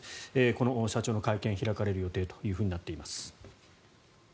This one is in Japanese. この社長の会見が開かれる予定となっています。